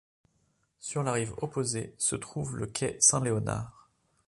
Sur la rive opposée, se trouve le quai Saint-Léonard.